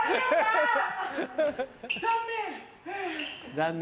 残念。